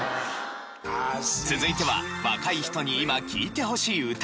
続いては若い人に今聴いてほしい歌